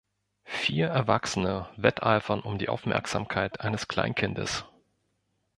Vier Erwachsene wetteifern um die Aufmerksamkeit eines Kleinkindes.